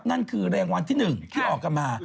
นั่นคือแรงวันที่หนึ่งที่ออกมา